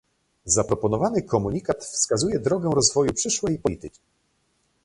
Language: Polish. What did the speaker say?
Zaproponowany komunikat wskazuje drogę rozwoju przyszłej polityki